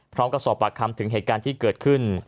พร้อมกับสอบปากคำถึงเหตุการณ์ที่เกิดขึ้น